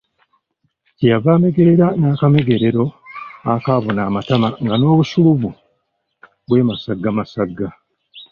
Kye yava amegerera n’akamegerero akaabuna amatama nga n’obusulubu bwemasaggamasagga.